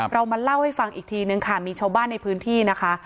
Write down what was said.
เรามาเล่าให้ฟังอีกทีนึงค่ะมีชาวบ้านในพื้นที่นะคะ